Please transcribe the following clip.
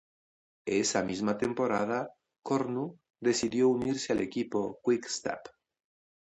Esa misma temporada, Cornu decidió unirse al equipo Quick Step.